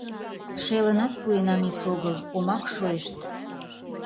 Шелынат пуэнам эсогыл, омак шойышт.